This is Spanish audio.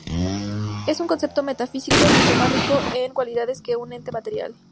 Es un concepto metafísico mucho más rico en cualidades que un ente material.